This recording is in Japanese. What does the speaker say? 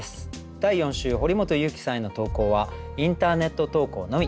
第４週堀本裕樹さんへの投稿はインターネット投稿のみ。